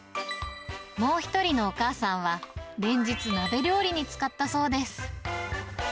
もう１人のお母さんは、連日、鍋料理に使ったそうです。